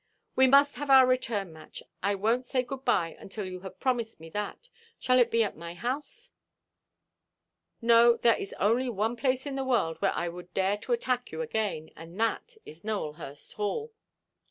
"We must have our return–match. I wonʼt say 'good–bye' until you have promised me that. Shall it be at my house?" "No. There is only one place in the world where I would dare to attack you again, and that is Nowelhurst Hall."